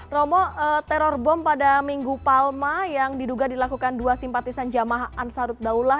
romo teror bom pada minggu palma yang diduga dilakukan dua simpatisan jamah ansaruddaullah